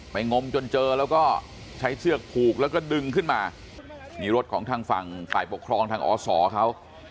งมจนเจอแล้วก็ใช้เชือกผูกแล้วก็ดึงขึ้นมามีรถของทางฝั่งฝ่ายปกครองทางอศเขา